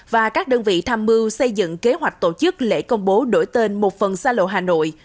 và các đơn vị tham mưu xây dựng kế hoạch tổ chức lễ công bố đổi tên một phần xa lộ hà nội